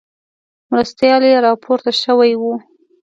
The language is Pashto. مرستیال یې راپورته شوی وو.